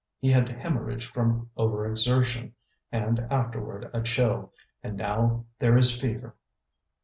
He had hemorrhage from overexertion, and afterward a chill. And now there is fever."